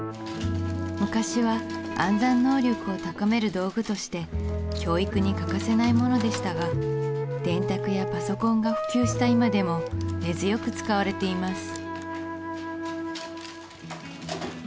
昔は暗算能力を高める道具として教育に欠かせないものでしたが電卓やパソコンが普及した今でも根強く使われています